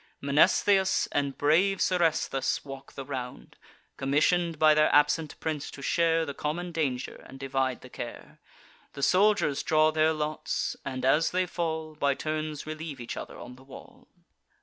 Mnestheus and brave Seresthus walk the round, Commission'd by their absent prince to share The common danger, and divide the care. The soldiers draw their lots, and, as they fall, By turns relieve each other on the wall.